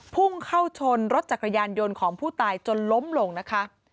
พุ่งเข้าชนรถจักรยานยนต์ของผู้ตายจนล้มลงนะคะ